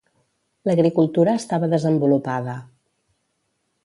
L'agricultura estava desenvolupada.